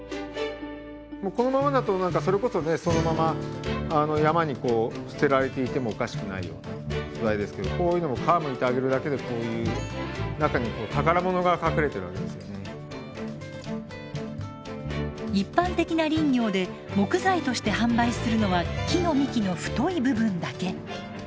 もうこのままだと何かそれこそねそのまま山に捨てられていてもおかしくないような素材ですけどこういうのも一般的な林業で木材として販売するのは木の幹の太い部分だけ。